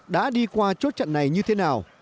đã đi qua chốt chặn này như thế nào